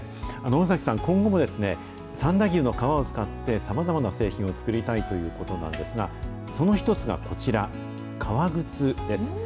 尾崎さん、今後も三田牛の革を使って、さまざまな製品を作りたいということなんですが、その一つがこちら、革靴です。